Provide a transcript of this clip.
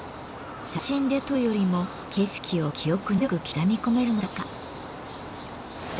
写真で撮るよりも景色を記憶に強く刻み込めるのだとか。